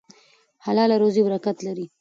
حلاله روزي برکت لري.